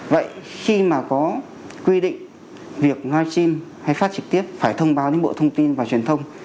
vậy khi mà có quy định việc live stream hay phát trực tiếp phải thông báo đến bộ thông tin và truyền thông